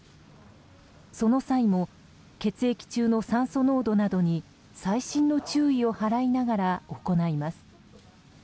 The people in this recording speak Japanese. その際も血液中の酸素濃度などに細心の注意を払いながら行います。